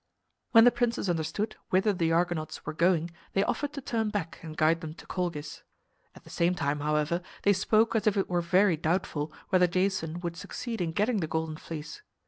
When the princes understood whither the Argonauts were going they offered to turn back and guide them to Colchis. At the same time, however, they spoke as if it were very doubtful whether Jason would succeed in getting the Golden Fleece.